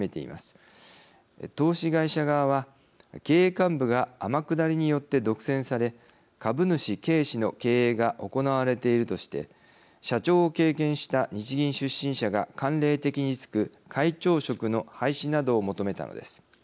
投資会社側は経営幹部が天下りによって独占され株主軽視の経営が行われているとして社長を経験した日銀出身者が慣例的に就く会長職の廃止などを求めたのです。